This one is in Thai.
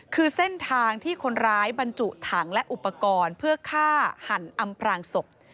คือเส้นทางที่คนร้ายบรรจุถังและอุปกรณ์เพื่อฆ่าหันอำพรางศพ